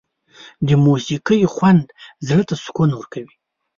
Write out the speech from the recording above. د موسيقۍ خوند زړه ته سکون ورکوي.